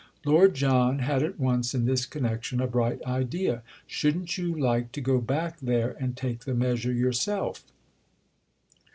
Lord John had at once in this connection a bright idea. "Shouldn't you like to go back there and take the measure yourself?"